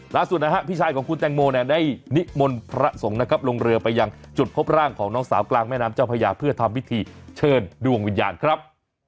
ล่าสุดนะฮะพี่ชายของคุณแตงโมเนี่ยได้นิมนต์พระสงฆ์นะครับลงเรือไปยังจุดพบร่างของน้องสาวกลางแม่น้ำเจ้าพญาเพื่อทำพิธีเชิญดวงวิญญาณครับ